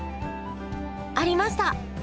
ありました！